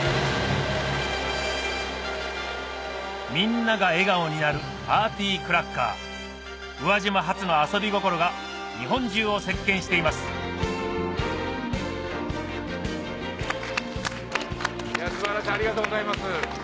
みんなが笑顔になるパーティークラッカー宇和島発の遊び心が日本中を席巻していますいや素晴らしいありがとうございます。